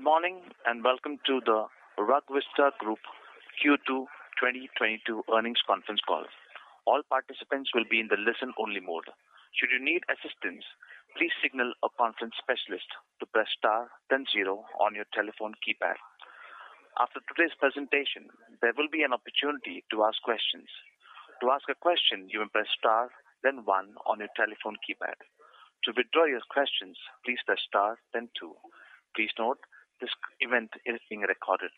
Good morning and welcome to the RugVista Group Q2 2022 earnings conference call. All participants will be in the listen-only mode. Should you need assistance, please signal a conference specialist to press star then zero on your telephone keypad. After today's presentation, there will be an opportunity to ask questions. To ask a question, you may press star then one on your telephone keypad. To withdraw your questions, please press star then two. Please note this event is being recorded.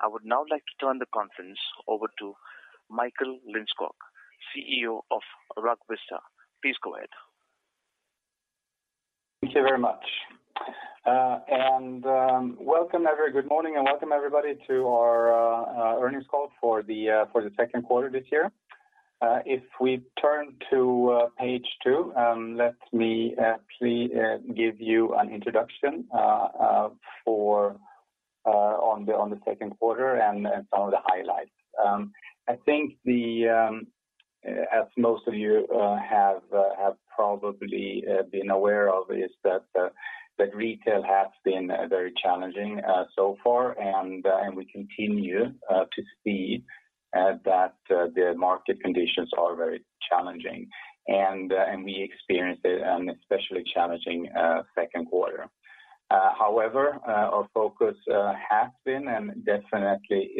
I would now like to turn the conference over to Michael Lindskog, CEO of RugVista Group. Please go ahead. Thank you very much. Good morning, and welcome everybody to our earnings call for the second quarter this year. If we turn to page 2, let me please give you an introduction on the second quarter and some of the highlights. I think, as most of you have probably been aware of, is that retail has been very challenging so far. We continue to see that the market conditions are very challenging and we experienced an especially challenging second quarter. However, our focus has been and definitely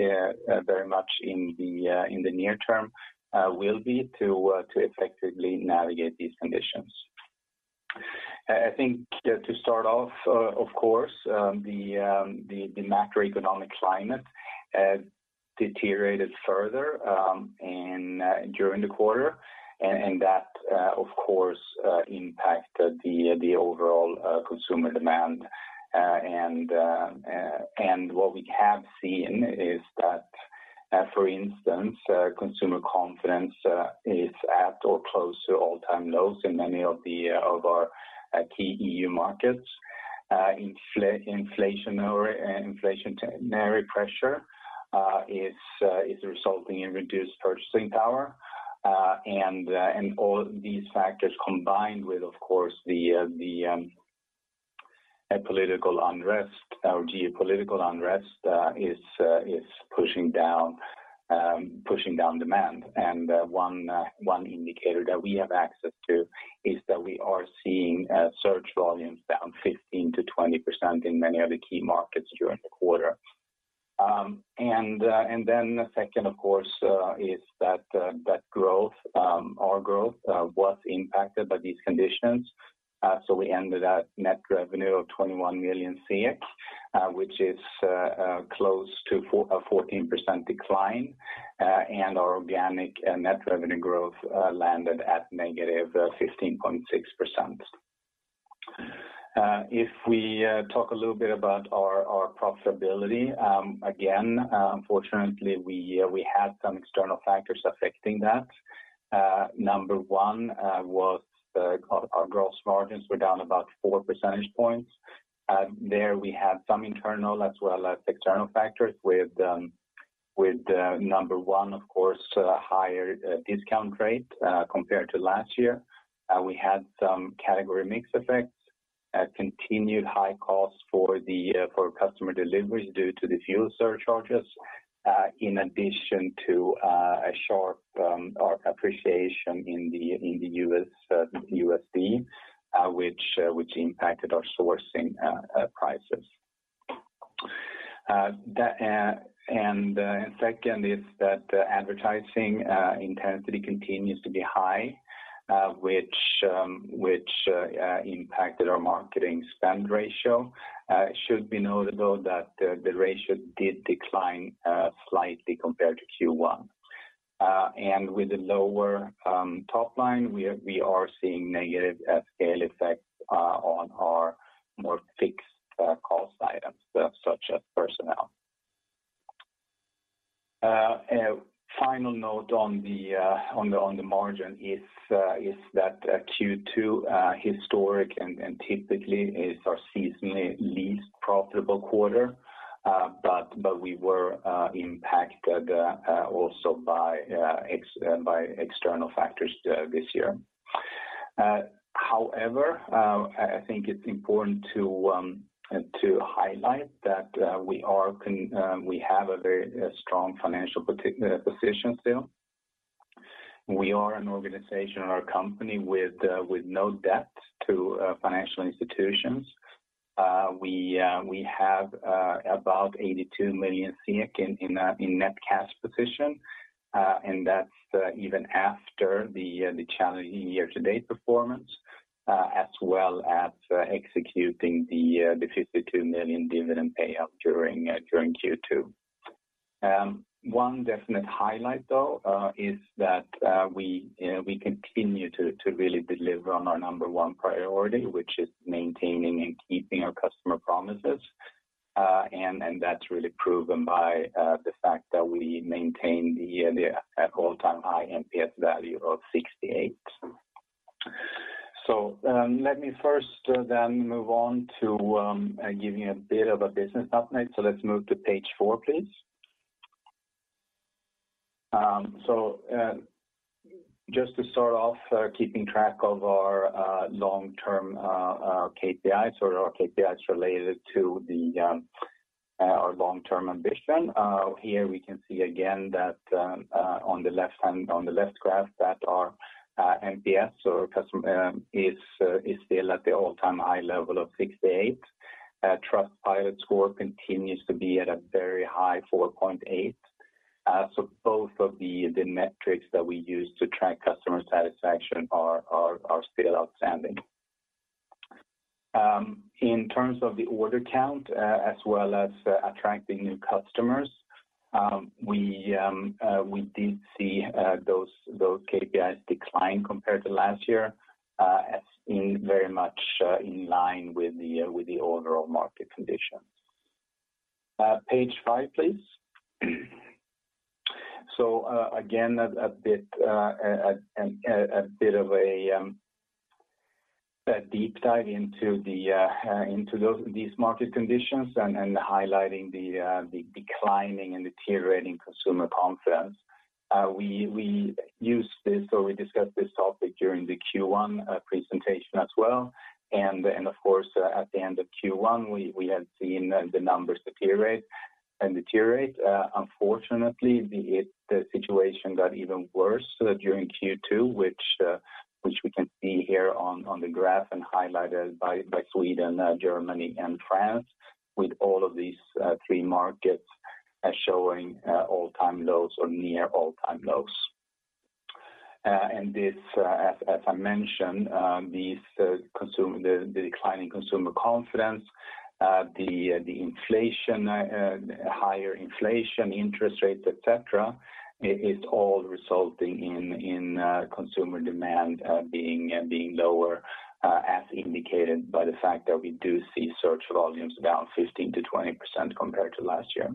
very much in the near term will be to effectively navigate these conditions. I think to start off, of course, the macroeconomic climate deteriorated further during the quarter. That of course impacted the overall consumer demand. What we have seen is that, for instance, consumer confidence is at or close to all-time lows in many of our key EU markets. Inflationary pressure is resulting in reduced purchasing power. All these factors combined with of course the political unrest or geopolitical unrest is pushing down demand. One indicator that we have access to is that we are seeing search volumes down 15%-20% in many of the key markets during the quarter. The second of course is that our growth was impacted by these conditions. We ended at net revenue of 21 million, which is close to a 14% decline. Our organic net revenue growth landed at -15.6%. If we talk a little bit about our profitability, again unfortunately we had some external factors affecting that. Number one was our gross margins were down about 4 percentage points. There we had some internal as well as external factors with number one of course higher discount rate compared to last year. We had some category mix effects, continued high costs for customer deliveries due to the fuel surcharges, in addition to a sharp appreciation in the US dollar, which impacted our sourcing prices. Second is that advertising intensity continues to be high, which impacted our marketing spend ratio. Should be noted that the ratio did decline slightly compared to Q1. With the lower top line, we are seeing negative at scale effects on our more fixed cost items such as personnel. Final note on the margin is that Q2 historically and typically is our seasonally least profitable quarter. We were impacted also by external factors this year. However, I think it's important to highlight that we have a very strong financial position still. We are an organization or a company with no debt to financial institutions. We have about 82 million in net cash position, and that's even after the challenging year to date performance, as well as executing the 52 million dividend payout during Q2. One definite highlight though is that we continue to really deliver on our number one priority, which is maintaining and keeping our customer promises. That's really proven by the fact that we maintain an all-time high NPS value of 68. Let me first then move on to giving you a bit of a business update. Let's move to page 4, please. Just to start off, keeping track of our long-term KPIs or our KPIs related to our long-term ambition. Here we can see again that on the left-hand graph that our NPS or customer is still at the all-time high level of 68. Trustpilot score continues to be at a very high 4.8. Both of the metrics that we use to track customer satisfaction are still outstanding. In terms of the order count, as well as attracting new customers, we did see those KPIs decline compared to last year, as being very much in line with the overall market conditions. Page five, please. Again, a bit of a deep dive into these market conditions and highlighting the declining and deteriorating consumer confidence. We used this or we discussed this topic during the Q1 presentation as well. Of course, at the end of Q1, we had seen the numbers deteriorate. Unfortunately, the situation became even worse during Q2.which we can see here on the graph and highlighted by Sweden, Germany and France with all of these three markets showing all-time lows or near all-time lows. As I mentioned, the declining consumer confidence, the inflation, higher inflation interest rates, et cetera, it is all resulting in consumer demand being lower, as indicated by the fact that we do see search volumes down 15%-20% compared to last year.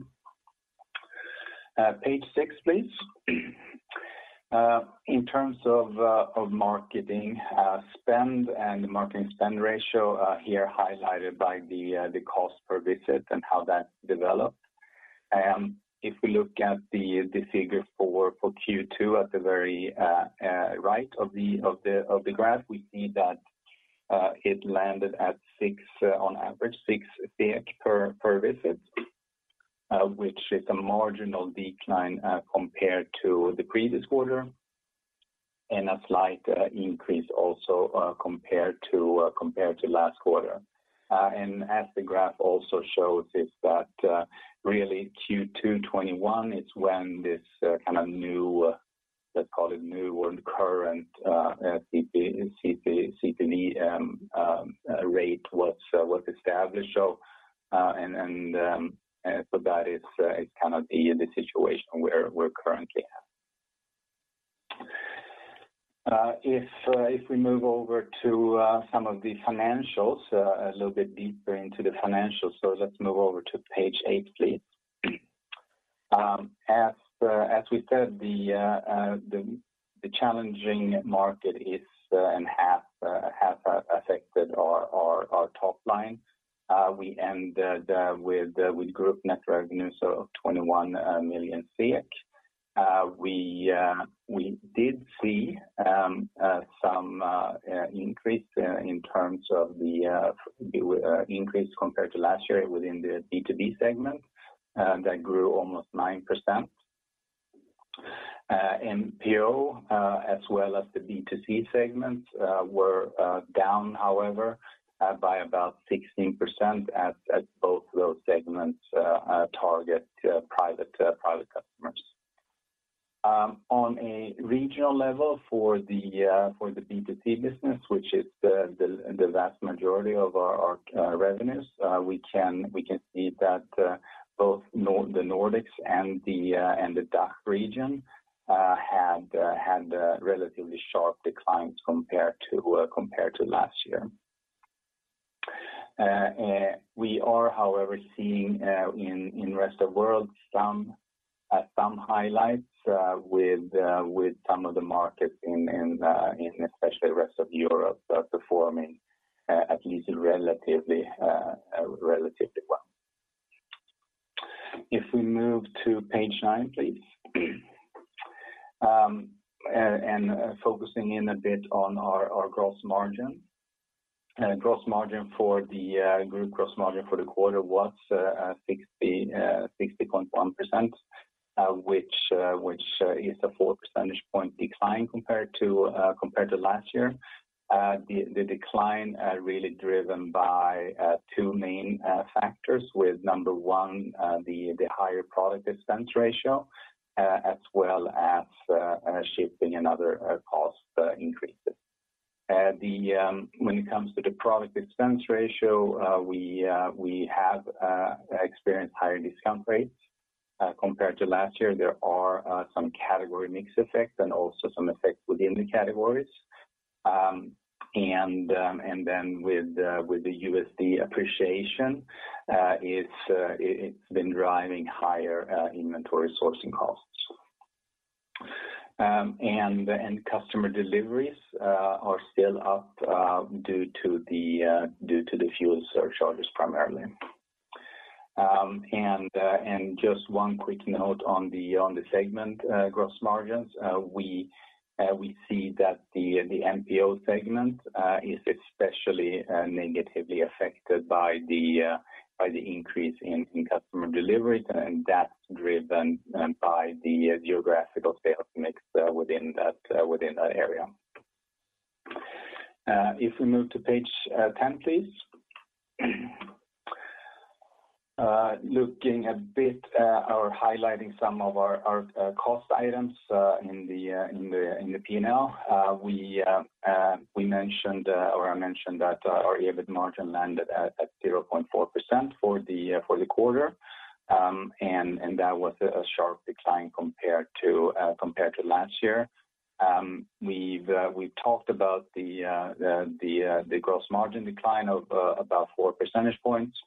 Page six, please. In terms of marketing spend and marketing spend ratio, here highlighted by the cost per visit and how that developed. If we look at the figure for Q2 at the very right of the graph, we see that it landed at 6 on average, 6 per visit, which is a marginal decline compared to the previous quarter and a slight increase also compared to last quarter. As the graph also shows is that really Q2 2021 is when this kind of new, let's call it new or current CPV rate was established. That is kind of the situation where we're currently at. If we move over to some of the financials, a little bit deeper into the financials. Let's move over to page 8, please. As we said, the challenging market is and has affected our top line. We ended with group net revenue of 21 million SEK. We did see some increase in terms of the increase compared to last year within the B2B segment that grew almost 9%. MPO, as well as the B2C segments, were down however by about 16% as both those segments target private customers. On a regional level for the B2C business, which is the vast majority of our revenues, we can see that both the Nordics and the DACH region had relatively sharp declines compared to last year. We are however seeing in rest of world some highlights with some of the markets in especially rest of Europe are performing at least relatively well. If we move to page 9, please. Focusing in a bit on our gross margin. Gross margin for the group for the quarter was 60.1%, which is a 4 percentage point decline compared to last year. The decline was really driven by two main factorswith number one, the higher product expense ratio, as well as shipping and other cost increases. When it comes to the product expense ratio, we have experienced higher discount rates compared to last year. There are some category mix effects and also some effects within the categories. With the USD appreciation, it's been driving higher inventory sourcing costs. Customer deliveries are still up due to the fuel surcharges primarily. Just one quick note on the segment gross margins. We see that the MPO segment is especially negatively affected by the increase in customer deliveries, and that's driven by the geographical sales mix within that area. If we move to page 10, please. Looking a bit or highlighting some of our cost items in the P&L. We mentioned or I mentioned that our EBIT margin landed at 0.4% for the quarter. That was a sharp decline compared to last year. We've talked about the gross margin decline of about 4 percentage points.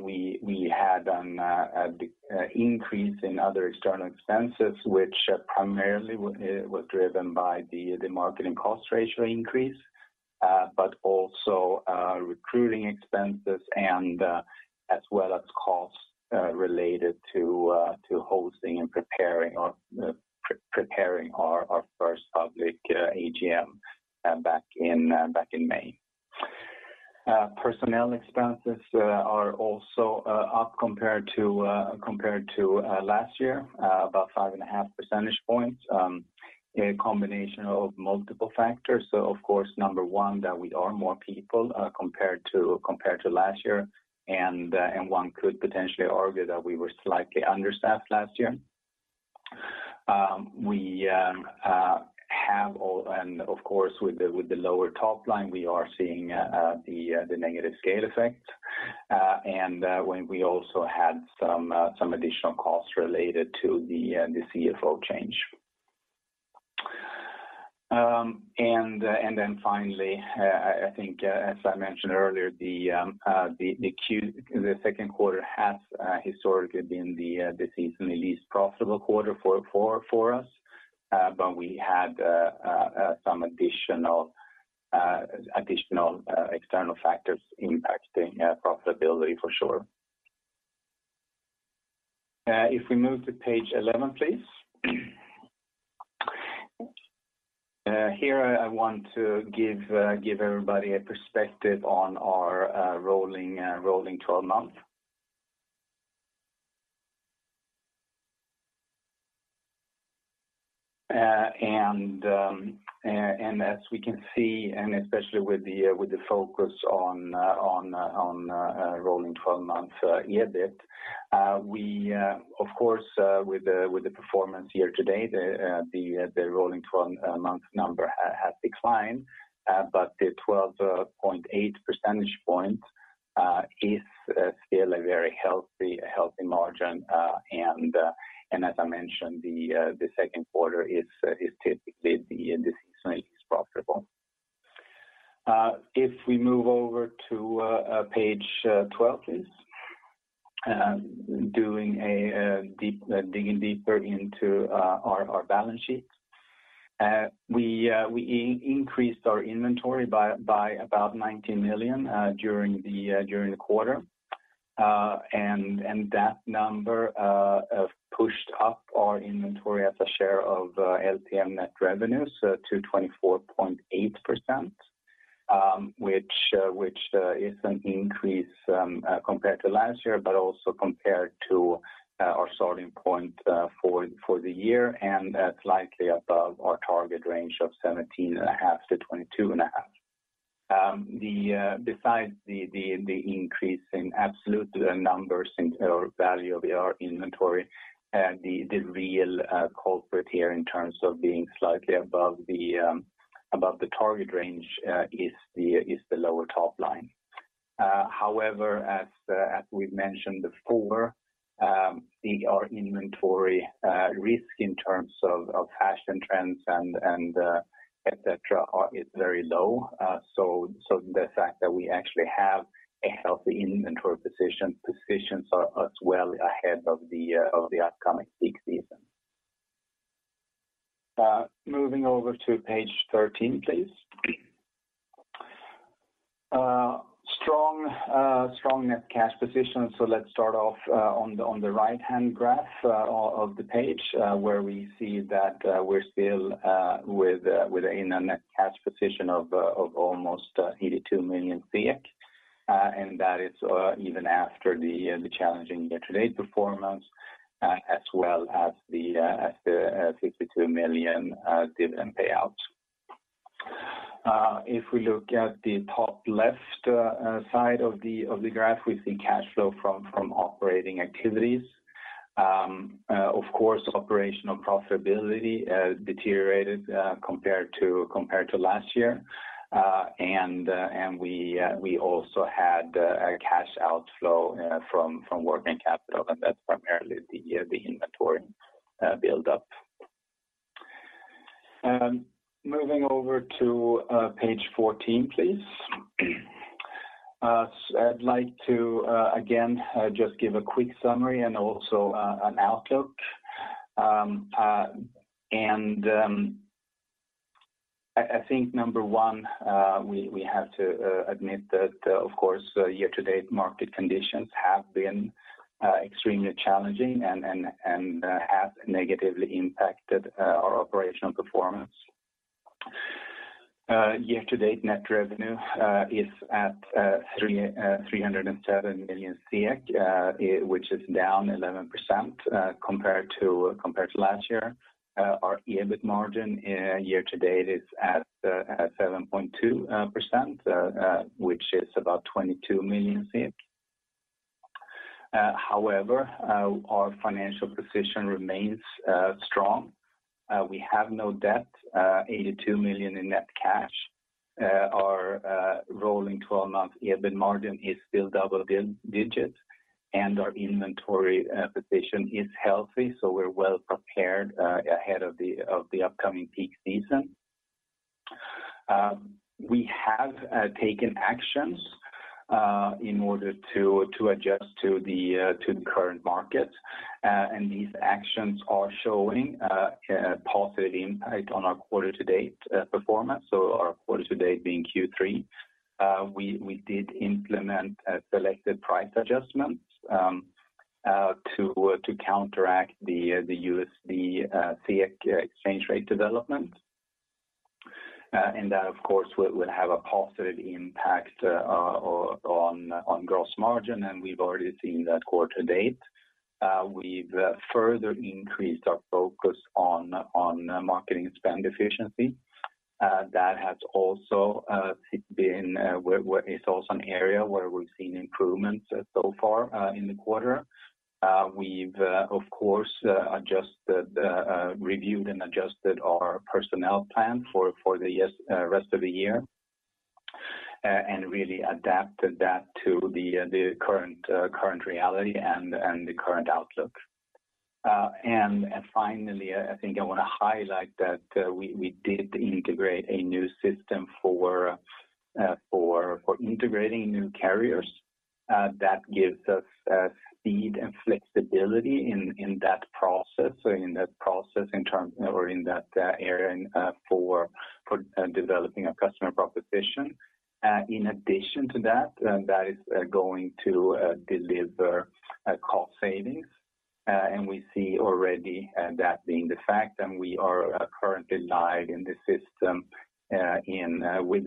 We had an increase in other external expenses, which primarily was driven by the marketing cost ratio increase, but also recruiting expenses and as well as costs related to hosting and preparing our first public AGM back in May. Personnel expenses are also up compared to last year, about 5.5 percentage points. A combination of multiple factors. Of course, number one, that we are more people compared to last year, and one could potentially argue that we were slightly understaffed last year. We, and of course, with the lower top line, we are seeing the negative scale effect. When we also had some additional costs related to the CFO change. Then finally, I think, as I mentioned earlier, the second quarter has historically been the seasonally least profitable quarter for us. We had some additional external factors impacting profitability for sure. If we move to page 11, please. Here I want to give everybody a perspective on our rolling twelve month. As we can see, especially with the focus on rolling twelve months EBIT, we of course with the performance here today, the rolling twelve month number has declined, but the 12.8 percentage point is still a very healthy margin. As I mentioned, the second quarter is typically the seasonally least profitable. If we move over to page 12, please. Taking a deeper look at our balance sheet. We increased our inventory by about 90 million during the quarter. That pushed our inventory as a share of LTM net revenue to 24.8%, which is an increase compared to last year, but also compared to our starting point for the year. That's slightly above our target range of 17.5%-22.5%. Besides the increase in absolute numbers or value of our inventory, the real culprit here in terms of being slightly above the target range is the lower top line. However, as we've mentioned before, our inventory risk in terms of fashion trends and et cetera is very low. The fact that we actually have a healthy inventory position is well ahead of the upcoming peak season. Moving over to page 13, please. Strong net cash position. Let's start off on the right-hand graph of the page, where we see that we're still with a net cash position of almost 82 million. That is even after the challenging year-to-date performance as well as the 52 million dividend payout. If we look at the top left side of the graph, we see cash flow from operating activities. Of course, operational profitability deteriorated compared to last year. We also had a cash outflow from working capital, and that's primarily the inventory build up. Moving over to page 14, please. I'd like to again just give a quick summary and also an outlook. I think number one, we have to admit that, of course, year-to-date market conditions have been extremely challenging and have negatively impacted our operational performance. Year-to-date net revenue is at 307 million, which is down 11% compared to last year. Our EBIT margin year to date is at 7.2%, which is about 22 million. However, our financial position remains strong. We have no debt, 82 million in net cash. Our rolling 12-month EBIT margin is still double digits, and our inventory position is healthy, so we're well prepared ahead of the upcoming peak season. We have taken actions in order to adjust to the current market. These actions are showing a positive impact on our quarter-to-date performance. Our quarter-to-date being Q3. We did implement selected price adjustments to counteract the USD, SEK exchange rate development. That of course would have a positive impact on gross margin, and we've already seen that quarter to date. We've further increased our focus on marketing spend efficiency. That has also been an area where we've seen improvements so far in the quarter. We've of course adjusted, reviewed and adjusted our personnel plan for the rest of the year, and really adapted that to the current reality and the current outlook. Finally, I think I wanna highlight that we did integrate a new system for integrating new carriers that gives us speed and flexibility in that process. In that area for developing a customer proposition. In addition to that is going to deliver cost savings. We see already that being the fact, and we are currently live with the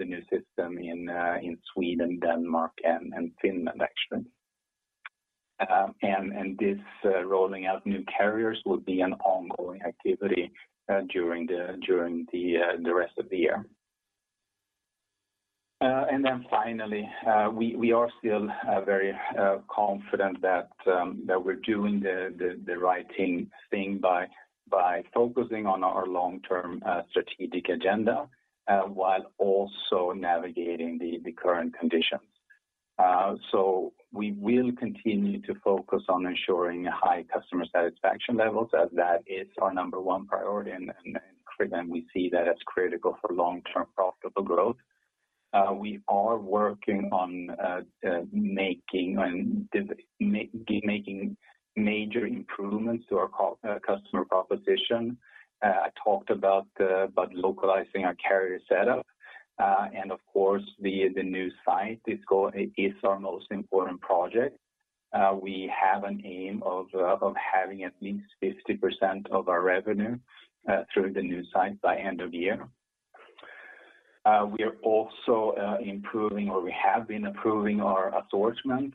new system in Sweden, Denmark and Finland actually. This rolling out new carriers will be an ongoing activity during the rest of the year. Finally, we are still very confident that we're doing the right thing by focusing on our long-term strategic agenda while also navigating the current conditions. We will continue to focus on ensuring high customer satisfaction levels as that is our number one priority and we see that as critical for long-term profitable growth. We are working on making major improvements to our customer proposition. I talked about localizing our carrier setup. Of course the new site is our most important project. We have an aim of having at least 50% of our revenue through the new site by end of year. We are also improving or we have been improving our assortment.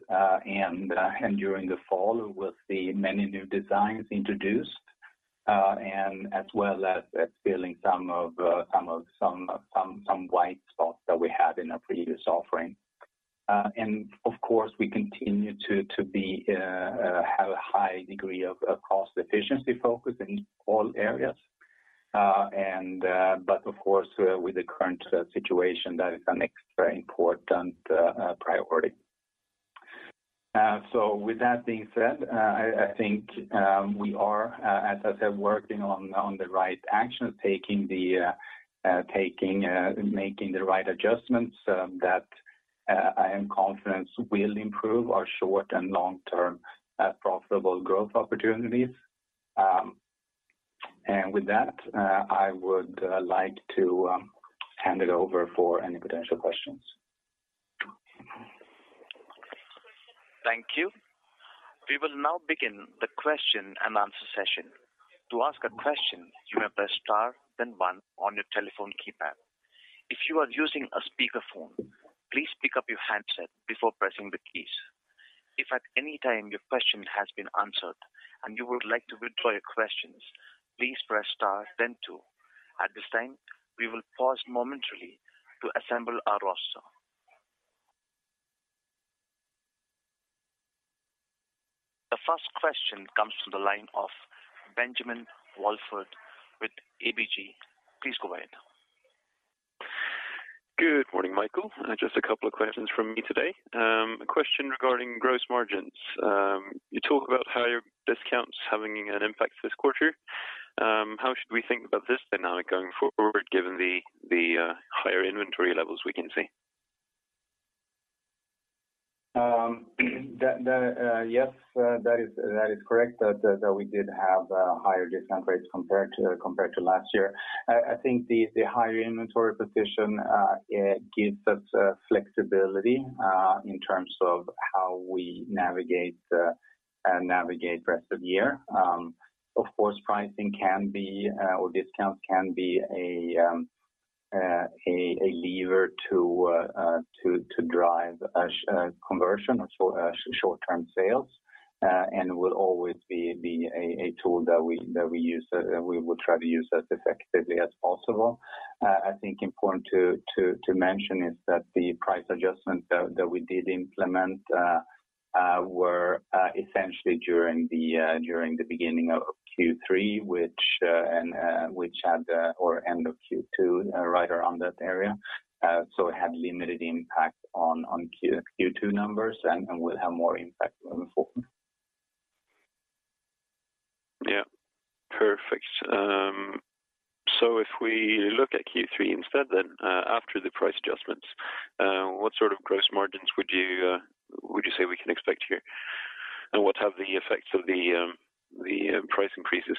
During the fall, we'll see many new designs introduced, as well as filling some white spots that we had in our previous offering. Of course, we continue to have a high degree of cost efficiency focus in all areas. With the current situation, that is an extra important priority. With that being said, I think we are, as I said, working on the right actions, making the right adjustments, that I am confident will improve our short- and long-term profitable growth opportunities. With that, I would like to hand it over for any potential questions. Thank you. We will now begin the question and answer session. To ask a question, you may press star then one on your telephone keypad. If you are using a speakerphone, please pick up your handset before pressing the keys. If at any time your question has been answered and you would like to withdraw your questions, please press star then two. At this time, we will pause momentarily to assemble our roster. The first question comes from the line of Benjamin Wahlstedt with ABG. Please go ahead. Good morning, Michael. Just a couple of questions from me today. A question regarding gross margins. You talk about higher discounts having an impact this quarter. How should we think about this dynamic going forward, given the higher inventory levels we can see? Yes, that is correct that we did have higher discount rates compared to last year. I think the higher inventory position gives us flexibility in terms of how we navigate the rest of the year. Of course, pricing can be, or discounts can be a lever to drive a conversion or short-term sales, and will always be a tool that we use. We will try to use as effectively as possible. I think important to mention is that the price adjustments that we did implement were essentially during the beginning of Q3 or end of Q2, right around that area. It had limited impact on Q2 numbers and will have more impact moving forward. Yeah. Perfect. If we look at Q3 instead then, after the price adjustments, what sort of gross margins would you say we can expect here? And what have the effects of the price increases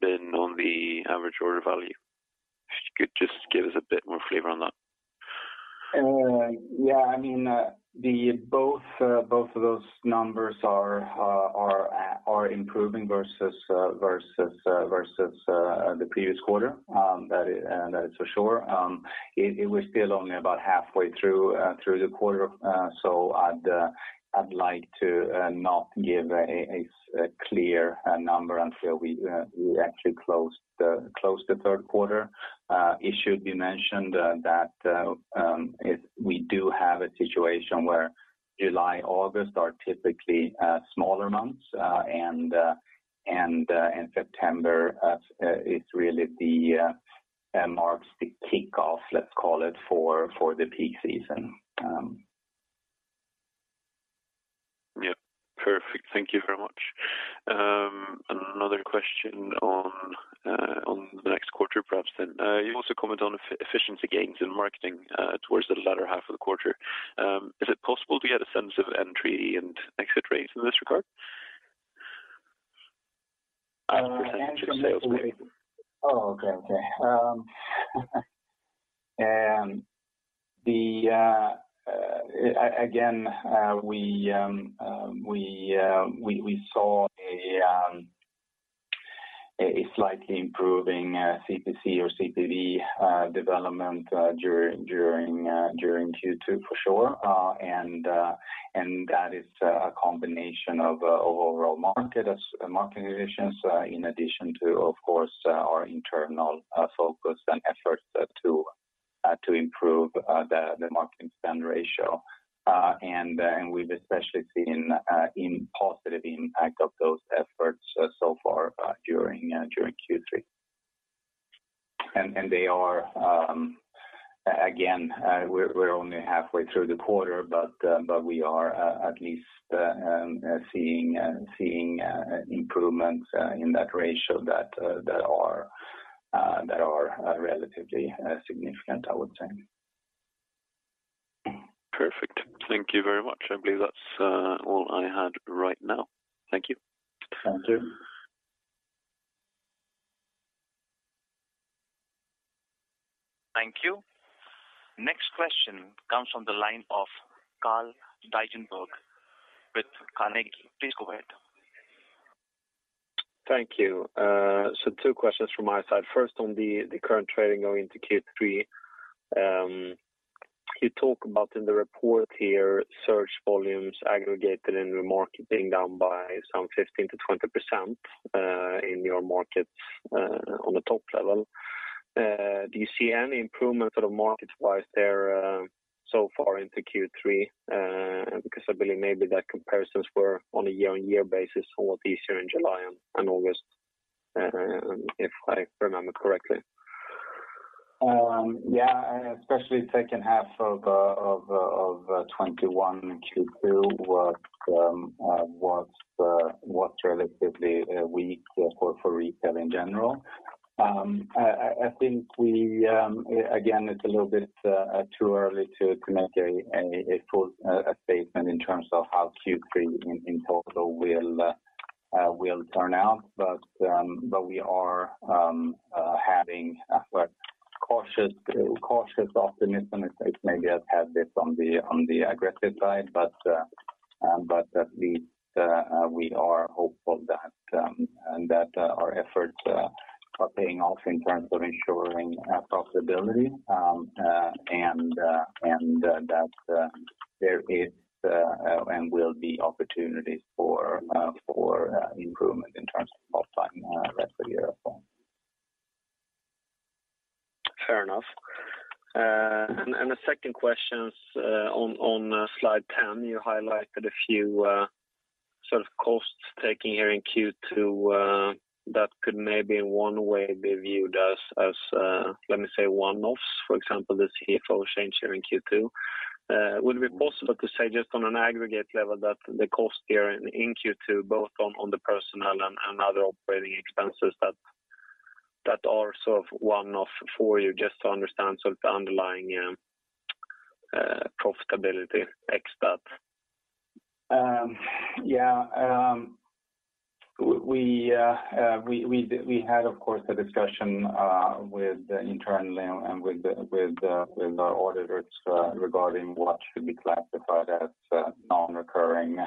been on the average order value? If you could just give us a bit more flavor on that. Yeah. I mean, both of those numbers are improving versus the previous quarter. That is for sure. It was still only about halfway through the quarter. I'd like to not give a clear number until we actually close the third quarter. It should be mentioned that we do have a situation where July, August are typically smaller months, and in September, it really marks the kickoff, let's call it, for the peak season. Yeah. Perfect. Thank you very much. Another question on the next quarter, perhaps then. You also comment on efficiency gains in marketing towards the latter half of the quarter. Is it possible to get a sense of entry and exit rates in this regard? We saw a slightly improving CPC or CPV development during Q2 for sure. That is a combination of overall market as market conditions, in addition to, of course, our internal focus and efforts to improve the marketing spend ratio. We've especially seen a positive impact of those efforts so far during Q3. They are again. We're only halfway through the quarter, but we are at least seeing improvements in that ratio that are relatively significant, I would say. Perfect. Thank you very much. I believe that's all I had right now. Thank you. Thank you. Thank you. Next question comes from the line of Carl Deidenholtz with Carnegie. Please go ahead. Thank you. Two questions from my side. First, on the current trading going into Q3. You talk about in the report here search volumes aggregated and remarketing down by some 15%-20% in your markets on the top level. Do you see any improvement sort of market-wise there so far into Q3? Because I believe maybe that comparisons were on a year-on-year basis easier in July and August if I remember correctly. Yeah, especially the second half of 2021 and Q2 was relatively weak for retail in general. I think, again, it's a little bit too early to make a full statement in terms of how Q3 in total will turn out. We are having, well, cautious optimism. It may be a tad bit on the aggressive side. At least we are hopeful that our efforts are paying off in terms of ensuring profitability. There will be opportunities for improvement in terms of online, rest of the year as well. Fair enough. The second question's on slide 10. You highlighted a few sort of costs taken here in Q2 that could maybe in one way be viewed as, let me say one-offs, for example, the CFO change here in Q2. Would it be possible to say just on an aggregate level that the cost here in Q2, both on the personnel and other operating expenses that are sort of one-off for you just to understand sort of the underlying profitability ex that. Yeah. We had of course a discussion with internally and with our auditors regarding what should be classified as non-recurring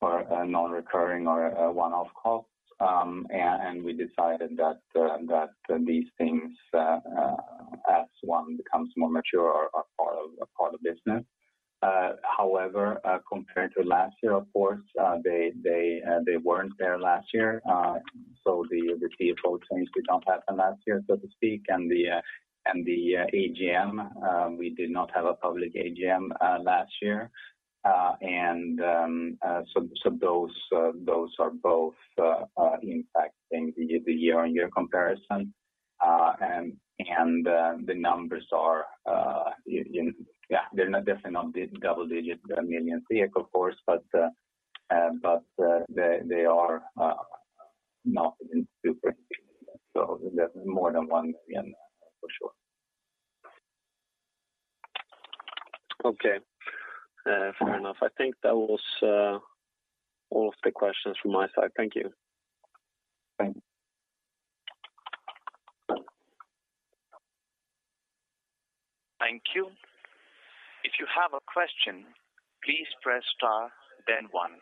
or one-off costs. And we decided that these things as one becomes more mature are part of business. However, compared to last year of course, they weren't there last year. So the CFO change did not happen last year, so to speak, and the AGM, we did not have a public AGM last year. And so those are both impacting the year-on-year comparison. And the numbers are in. Yeah, they're not definitely not the double-digit million SEK of course, but they are not insignificant, so more than 1 million for sure. Okay. Fair enough. I think that was all of the questions from my side. Thank you. Thank you. Thank you. If you have a question, please press star then one.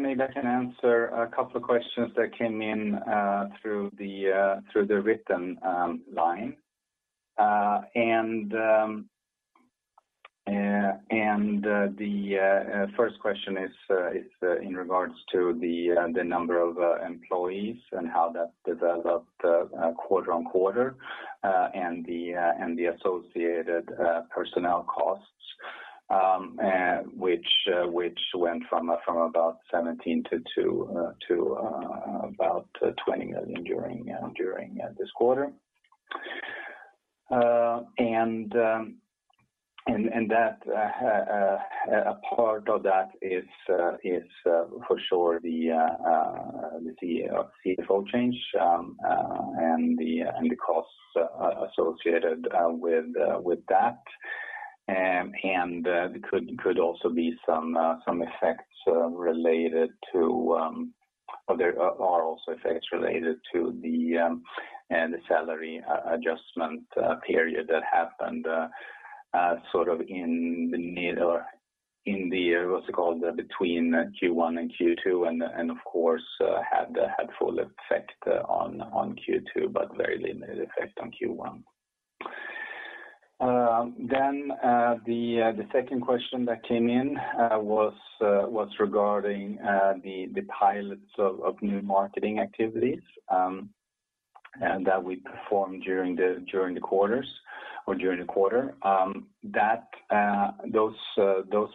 Maybe I can answer a couple of questions that came in through the written line. The first question is in regards to the number of employees and how that developed quarter-over-quarter, and the associated personnel costs, which went from about 17 million to about 20 million during this quarter. A part of that is for sure the CFO change, and the costs associated with that. There could also be effects related to this. There are also effects related to the salary adjustment period that happened sort of in the middle or in the what's it called between Q1 and Q2 and of course had a helpful effect on Q2 but very limited effect on Q1. The second question that came in was regarding the pilots of new marketing activities that we performed during the quarter. Those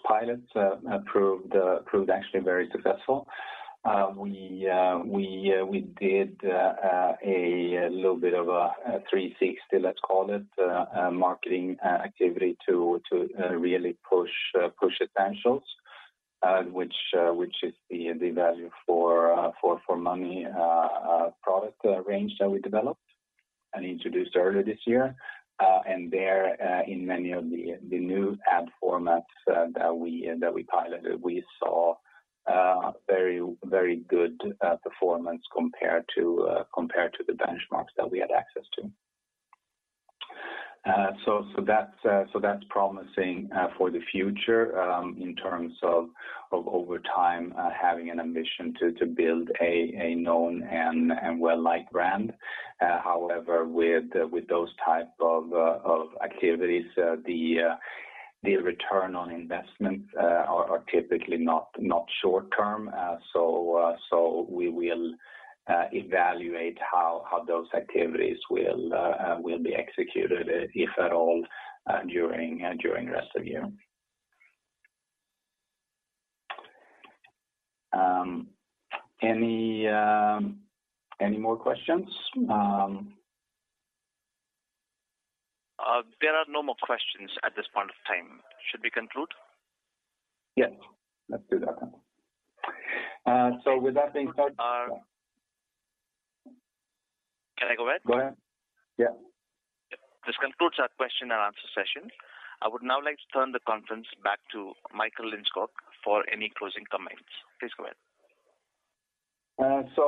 pilots proved actually very successful. We did a little bit of a 360, let's call it, a marketing activity to really push Essentials, which is the value for money product range that we developed and introduced earlier this year. There, in many of the new ad formats that we piloted, we saw very good performance compared to the benchmarks that we had access to. That's promising for the future in terms of over time having an ambition to build a known and well-liked brand. However, with those type of activities, the return on investment is typically not short term. We will evaluate how those activities will be executed, if at all, during the rest of the year. Any more questions? There are no more questions at this point of time. Should we conclude? Yes, let's do that. With that being said. Can I go ahead? Go ahead. Yeah. This concludes our question and answer session. I would now like to turn the conference back to Michael Lindskog for any closing comments. Please go ahead.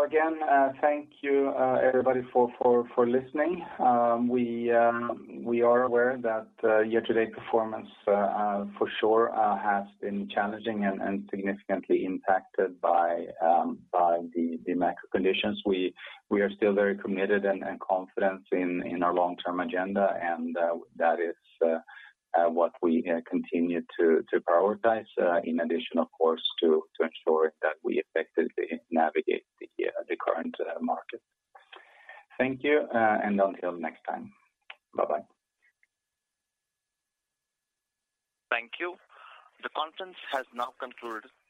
Again, thank you everybody for listening. We are aware that year-to-date performance for sure has been challenging and significantly impacted by the macro conditions. We are still very committed and confident in our long-term agenda, and that is what we continue to prioritize, in addition of course to ensure that we effectively navigate the current market. Thank you and until next time. Bye-bye. Thank you. The conference has now concluded. Thank you.